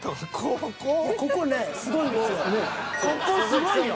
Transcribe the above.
ここすごいよ。